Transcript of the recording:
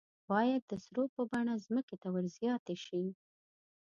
باید د سرو په بڼه ځمکې ته ور زیاتې شي.